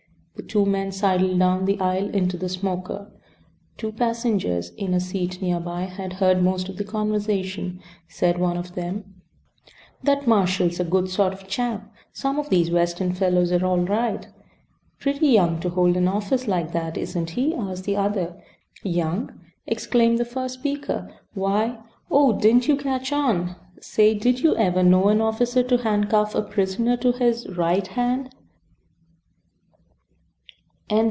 The two men sidled down the aisle into the smoker. The two passengers in a seat near by had heard most of the conversation. Said one of them: "That marshal's a good sort of chap. Some of these Western fellows are all right." "Pretty young to hold an office like that, isn't he?" asked the other. "Young!" exclaimed the first speaker, "why Oh! didn't you catch on? Say did you ever know an officer to handcuff a prisoner to his ~right~ hand?"